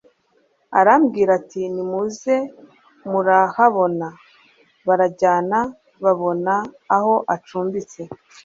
Arababwira ati : "Nimuze murahabona". Barajyana babona aho acumbitse, ...